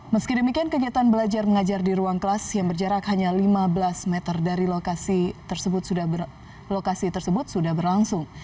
meski demikian kegiatan belajar mengajar di ruang kelas yang berjarak hanya lima belas meter dari lokasi tersebut sudah berlangsung